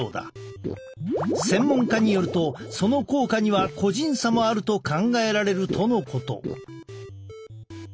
専門家によるとその効果には個人差もあると考えられるとのこと。